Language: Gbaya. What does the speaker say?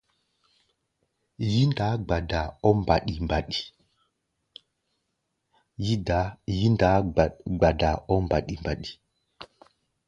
Yí-ndaá gbadaa ɔ́ mbaɗi-mbaɗi.